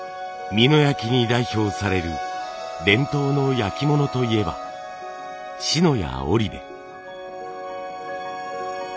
美濃焼に代表される伝統の焼き物といえば志野や織部。